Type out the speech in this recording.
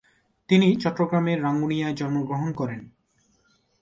তিনি চট্টগ্রামের রাঙ্গুনিয়ায় জন্মগ্রহণ করেন।